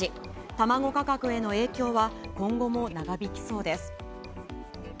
卵価格への影響は、今後も長引きそうです。